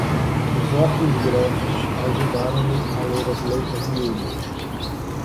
Os óculos grossos ajudaram-no a ler as letras miúdas.